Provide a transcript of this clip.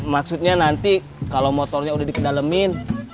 maksudnya nanti kalo motornya udah di kedalemin